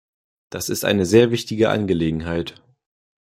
Das ist eine sehr wichtige Angelegenheit.